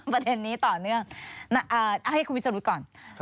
ประเด็นนี้ต่อเนื่องให้คุณวิสรุธก่อน